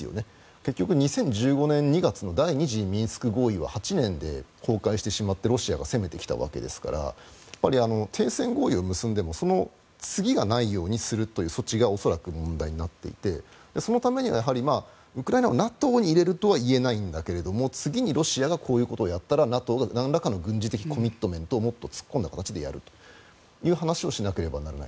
結局２０１５年２月の第２次ミンスク合意は８年で崩壊してしまってロシアが攻めてきたわけですから停戦合意を結んでもその次がないようにするという措置が恐らく問題になっていてそのためにはウクライナをＮＡＴＯに入れるとは言えないんだけど次にロシアがこういうことをやったらＮＡＴＯがなんらかの軍事的コミットメントを持った突っ込んだ形でやるという話をしなければならない。